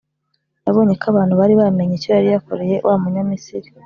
Yabonye ko abantu bari bamenye icyo yari yakoreye wa Munyamisiri